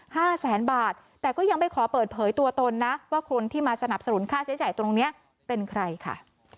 ห้าแสนบาทแต่ก็ยังไม่ขอเปิดเผยตัวตนนะว่าคนที่มาสนับสนุนค่าใช้จ่ายตรงเนี้ยเป็นใครค่ะ